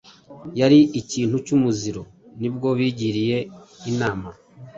yari ikintu cy’ umuziro Nibwo bigiriye inama